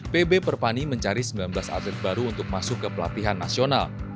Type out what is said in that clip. pb perpani mencari sembilan belas atlet baru untuk masuk ke pelatihan nasional